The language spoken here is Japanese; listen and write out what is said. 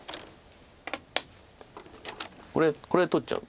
これこれは取っちゃう。